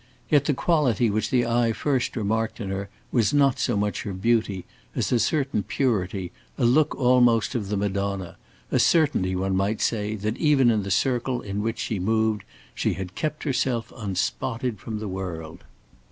Yet the quality which the eye first remarked in her was not so much her beauty, as a certain purity, a look almost of the Madonna, a certainty, one might say, that even in the circle in which she moved, she had kept herself unspotted from the world.